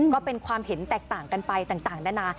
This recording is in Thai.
ก็เป็นความเห็นแตกต่างกันไปต่างนานา